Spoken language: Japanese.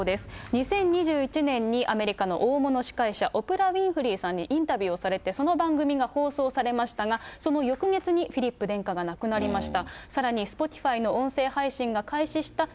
２０２１年に、アメリカの大物司会者、オプラ・ウィンフリーさんにインタビューをされて、その番組が放送されましたが、その翌月にフィリップ殿下が亡くなりました。